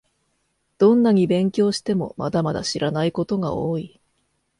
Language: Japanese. どんなに勉強しても、まだまだ知らないことが多い